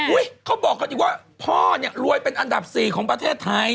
เขาบอกกันอีกว่าพ่อเนี่ยรวยเป็นอันดับ๔ของประเทศไทย